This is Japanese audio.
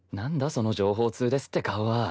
その情報通ですって顔は。